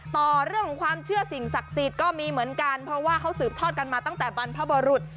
ต่อเรื่องของความเชื่อสิ่งศักดิ์สิทธิ์ก็มีเหมือนกันเพราะว่าเขาสืบทอดกันมาตั้งแต่บรรพบรุษ